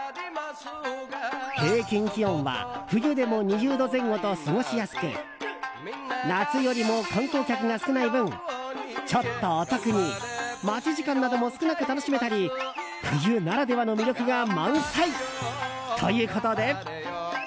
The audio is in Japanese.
平均気温は冬でも２０度前後と過ごしやすく夏よりも観光客が少ない分ちょっとお得に待ち時間なども少なく楽しめたり冬ならではの魅力が満載ということで。